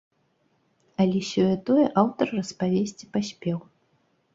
Але сёе-тое аўтар распавесці паспеў.